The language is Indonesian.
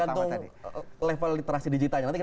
tergantung level literasi digitanya